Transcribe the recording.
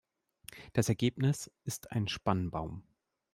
Das Ergebnis ist ein Spannbaum.